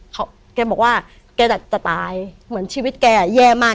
เขาแกบอกว่าแกจะตายเหมือนชีวิตแกแย่มาก